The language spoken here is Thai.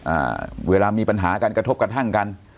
อ่าเวลามีปัญหากันกระทบกระทั่งกัน